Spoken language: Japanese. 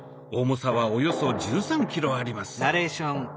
重さはおよそ１３ｋｇあります。